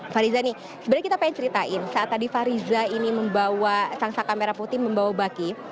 fariza nih sebenarnya kita pengen ceritain saat tadi fariza ini membawa sang saka merah putih membawa baki